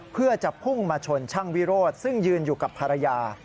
เพื่อจะพุ่งมาชนช่างวิโรธซึ่งยืนอยู่กับภรรยา